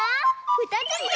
ふたつだ！